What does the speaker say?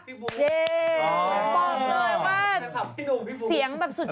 พี่ปู๊กอ๋ออ๋อพี่นุ่มพี่ปู๊กบอกเลยว่าเสียงสุดยอดจริงค่ะ